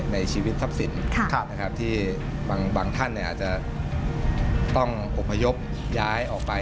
ในชีวิตทรัพย์สินที่บางท่านอาจจะต้องอบพยพย้ายออกไป